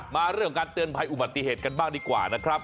เรื่องการเตือนภัยอุบัติเหตุกันบ้างดีกว่านะครับ